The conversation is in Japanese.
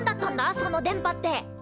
その電波って。